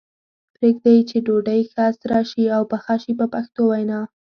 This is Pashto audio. پرېږدي یې چې ډوډۍ ښه سره شي او پخه شي په پښتو وینا.